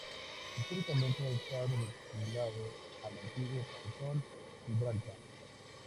Históricamente ha estado vinculado al antiguo cantón Gibraltar.